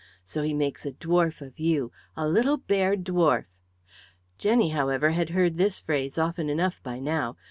So he makes a dwarf of you, a little bear dwarf " Jenny, however, had heard this phrase often enough by now.